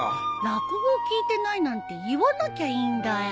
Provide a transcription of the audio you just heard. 落語を聞いてないなんて言わなきゃいいんだよ。